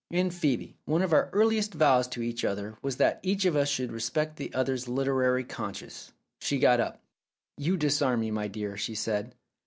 "And, Phcebe, one of our earliest vows to each other was that each of us should respect the other's literary conscience !" She got up. "You disarm me, dear," she said.